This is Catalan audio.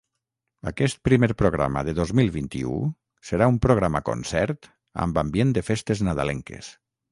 Aquest primer programa de dos mil vint-i-u serà un programa-concert amb ambient de festes nadalenques.